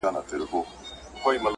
سپوږمۍ او ستوري خو مې ویني چې زه